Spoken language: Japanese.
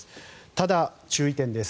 ただ、注意点です。